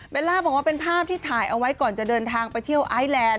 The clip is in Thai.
ล่าบอกว่าเป็นภาพที่ถ่ายเอาไว้ก่อนจะเดินทางไปเที่ยวไอแลนด